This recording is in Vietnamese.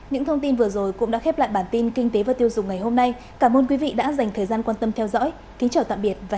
những thông tin vừa rồi cũng đã khép lại bản tin kinh tế và tiêu dùng ngày hôm nay cảm ơn quý vị đã dành thời gian quan tâm theo dõi kính chào tạm biệt và hẹn gặp